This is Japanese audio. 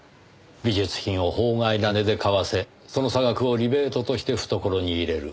美術品を法外な値で買わせその差額をリベートとして懐に入れる。